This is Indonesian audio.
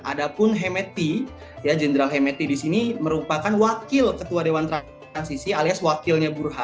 ada pun hemeti jenderal hemeti di sini merupakan wakil ketua dewan transisi alias wakilnya burhan